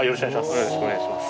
よろしくお願いします。